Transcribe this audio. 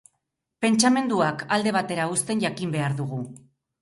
Pentsamenduak alde batera uzten jakin behar dugu.